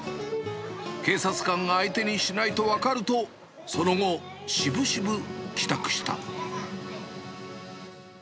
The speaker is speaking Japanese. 警察官が相手にしないと分かると、その後、しぶしぶ帰宅した。